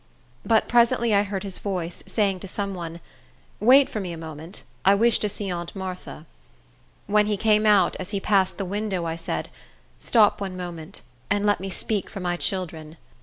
But presently I heard his voice, saying to some one, "Wait for me a moment. I wish to see aunt Martha." When he came out, as he passed the window, I said, "Stop one moment, and let me speak for my children."